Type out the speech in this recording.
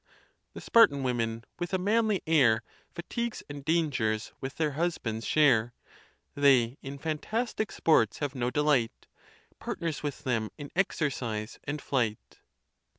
The Spartan women, with a manly air, Fatigues and dangers with their husbands share; They in fantastic sports have no delight, Partners with them in exercise and fight.